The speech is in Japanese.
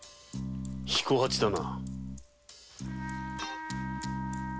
彦八だな。